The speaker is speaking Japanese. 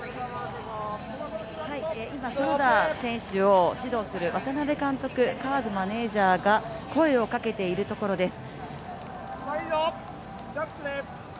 今、園田選手を指導する渡辺監督、マネージャーが声をかけているところです。